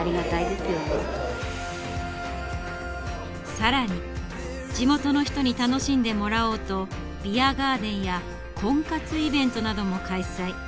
更に地元の人に楽しんでもらおうとビアガーデンや婚活イベントなども開催。